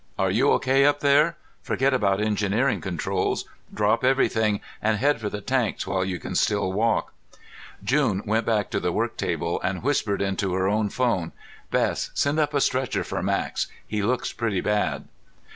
"Are you okay up there? Forget about engineering controls. Drop everything and head for the tanks while you can still walk." June went back to the work table and whispered into her own phone. "Bess, send up a stretcher for Max. He looks pretty bad."